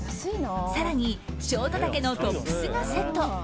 更にショート丈のトップスがセット。